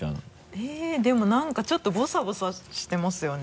えっでも何かちょっとボサボサしてますよね。